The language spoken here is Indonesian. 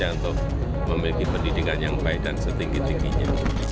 untuk memiliki pendidikan yang baik dan setinggi tingginya